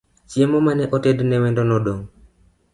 Chiemo mane otedne wendo nodong'